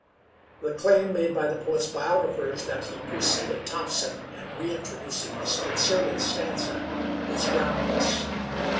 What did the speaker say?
The claim made by the poet's biographers that he preceded Thomson in reintroducing the Spenserian stanza is groundless.